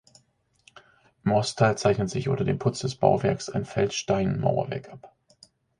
Im Ostteil zeichnet sich unter dem Putz des Bauwerks ein Feldsteinmauerwerk ab.